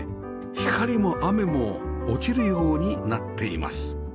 光も雨も落ちるようになっています